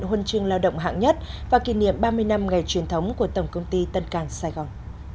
huân chương lao động hạng nhất và kỷ niệm ba mươi năm ngày truyền thống của tổng công ty tân cảng sài gòn